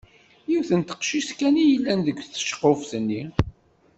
Yiwet n teqcict kan i yellan deg tceqquft-nni.